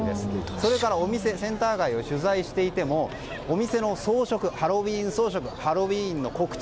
それからお店センター街を取材していてもお店のハロウィーン装飾ハロウィーンの告知